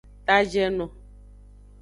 Tajeno.